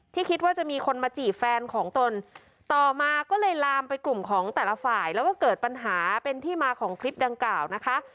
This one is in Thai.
คิดว่าจะมีคนมาจีบแฟนของตนต่อมาก็เลยลามไปกลุ่มของแต่ละฝ่ายแล้วก็เกิดปัญหาเป็นที่มาของคลิปดังกล่าวนะคะ